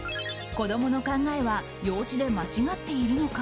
子供の考えは幼稚で間違っているのか？